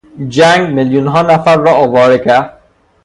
جنگ میلیونها نفر را آواره کرد.